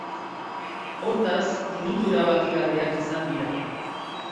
Hortaz, minutu erabakigarriak izan dira.